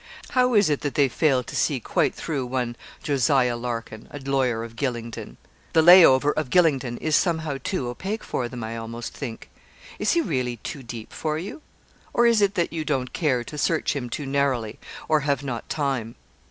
How is it that they fail to see quite through one Jos. Larkin, a lawyer of Gylingden? The layover of Gylingden is somehow two opaque for them, I almost think. Is he really too deep for you? Or is it that you don't care to search him too narrowly, or have not time?